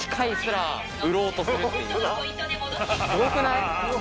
すごくない？